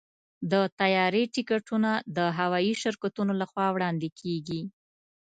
د طیارې ټکټونه د هوايي شرکتونو لخوا وړاندې کېږي.